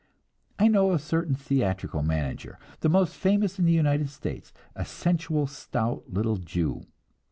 I know a certain theatrical manager, the most famous in the United States, a sensual, stout little Jew.